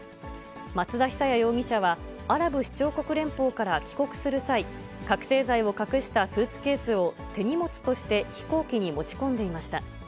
松田久哉容疑者は、アラブ首長国連邦から帰国する際、覚醒剤を隠したスーツケースを、手荷物として飛行機に持ち込んでいました。